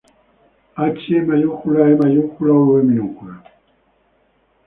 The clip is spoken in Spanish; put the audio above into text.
H. E. v.